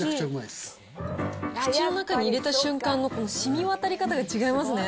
口の中に入れた瞬間の、このしみわたり方が違いますね。